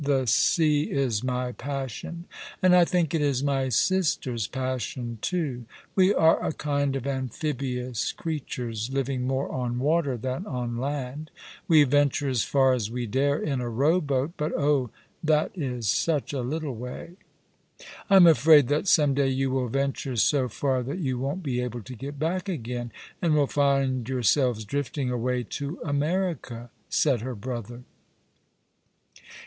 " The sea is my passion — and I think it is my sister's passion too. We are a kind of amphibious creatures, living more on water than on land. We venture as far as we dare in a row boat — but oh, that is such a little way." " I'm afraid that some day you will venture so far that you won't be able to get back again, and will find yourselves drift ing away to America," said her brother.